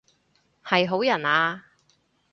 係好人啊？